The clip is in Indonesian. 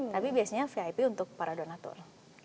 tapi biasanya vip untuk para donatur